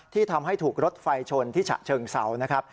ที่ทำให้ถูกรถไฟชนที่ฉะเชิงเสา